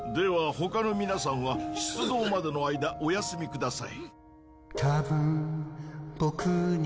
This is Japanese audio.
他の皆さんは出動までの間お休みください。